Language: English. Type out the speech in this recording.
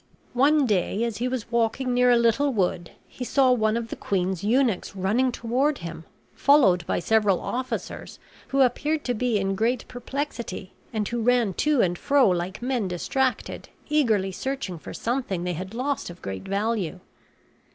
One day, as he was walking near a little wood, he saw one of the queen's eunuchs running toward him, followed by several officers, who appeared to be in great perplexity, and who ran to and fro like men distracted, eagerly searching for something they had lost of great value.